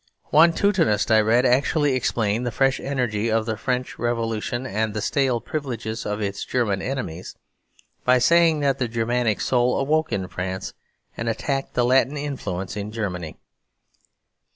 One Teutonist I read actually explained the fresh energy of the French Revolution and the stale privileges of its German enemies by saying that the Germanic soul awoke in France and attacked the Latin influence in Germany.